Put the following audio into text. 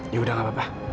ya udah gak apa apa